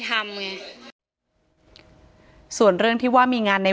ถ้าใครอยากรู้ว่าลุงพลมีโปรแกรมทำอะไรที่ไหนยังไง